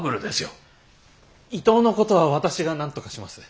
伊藤のことは私がなんとかします。